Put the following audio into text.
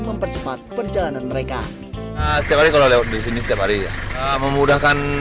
mempercepat perjalanan mereka setiap hari kalau lewat di sini setiap hari memudahkan